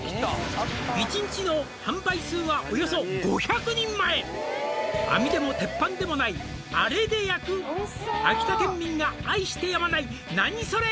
「１日の販売数はおよそ５００人前」「網でも鉄板でもないアレで焼く」「秋田県民が愛してやまないナニソレ！？